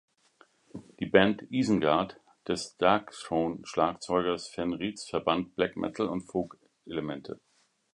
Die Band Isengard des Darkthrone-Schlagzeugers Fenriz verband Black-Metal- und Folk-Elemente.